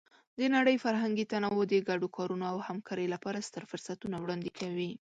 د نړۍ فرهنګي تنوع د ګډو کارونو او همکارۍ لپاره ستر فرصتونه وړاندې کوي.